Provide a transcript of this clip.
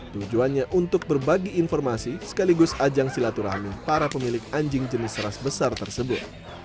tujuannya untuk berbagi informasi sekaligus ajang silaturahmi para pemilik anjing jenis ras besar tersebut